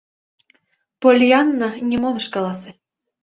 Поллианна нимом ыш каласе.